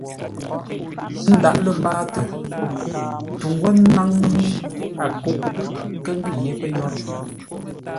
Ə́ ndǎʼ lə́ mbâatə ngô tu ńgwó ńnáŋ yé a kə̂u nkə́ ngʉ́ yé pə́ yórə́.